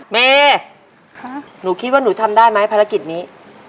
แม่หนูคิดว่าหนูทำได้ไหมภารกิจนี้